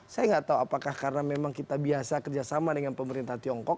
saya nggak tahu apakah karena memang kita biasa kerjasama dengan pemerintah tiongkok